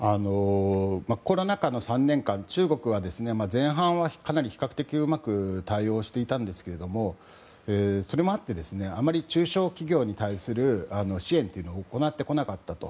コロナ禍の３年間中国は、前半は比較的うまく対応していたんですがそれもあってあまり中小企業に対する支援というのを行ってこなかったと。